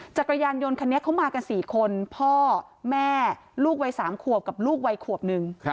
จักรยานยนต์คันนี้เขามากัน๔คนพ่อแม่ลูกวัย๓ขวบกับลูกวัยขวบนึง